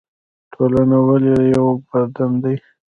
ټولنه ولې یو بدن دی؟